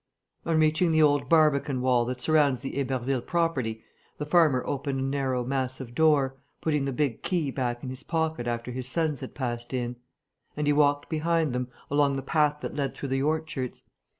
On reaching the old barbican wall that surrounds the Héberville property, the farmer opened a narrow, massive door, putting the big key back in his pocket after his sons had passed in. And he walked behind them, along the path that led through the orchards.